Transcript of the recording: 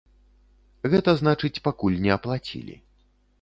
Гэта значыць, пакуль не аплацілі.